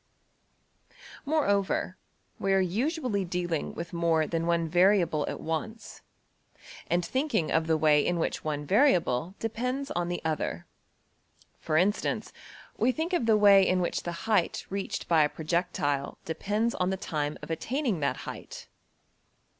Moreover, we are usually dealing with more than one variable at once, and thinking of the way in which one variable depends on the other: for instance, we think of the way in which the height reached by a projectile depends on the time of attaining that height.